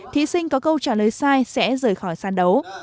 thí sinh có câu trả lời sai sẽ rời khỏi sàn đấu